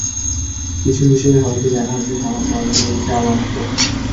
কিছু বিষয়ে হয়তো জানা হয়েছে সামান্য, অজানা রয়েছে আরও অনেক তথ্য।